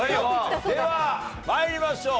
では参りましょう。